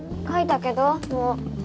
書いたけどもう。